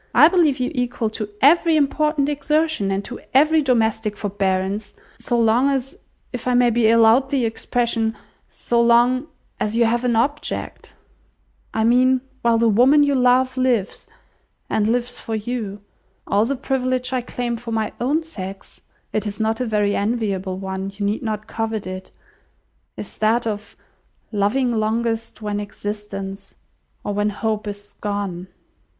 I believe you equal to every important exertion, and to every domestic forbearance, so long as—if I may be allowed the expression—so long as you have an object. I mean while the woman you love lives, and lives for you. All the privilege I claim for my own sex (it is not a very enviable one; you need not covet it), is that of loving longest, when existence or when hope is gone."